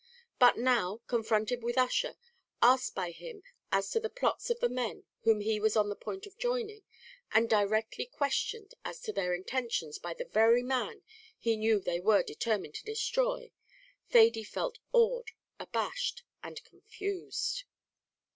But now confronted with Ussher asked by him as to the plots of the men whom he was on the point of joining, and directly questioned as to their intentions by the very man he knew they were determined to destroy, Thady felt awed, abashed, and confused.